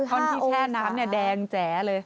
ท่อนที่แช่น้ำเนี่ยแดงแจ๋เลย